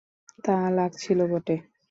তা লাগছিল বটে।